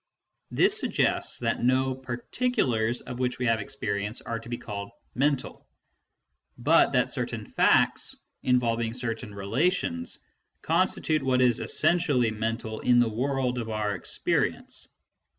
This suggests that no particulars of which we have experience are to be called "mental," but that certain facts, involving certain relations, constitute what is essentially mental in the world of our experience.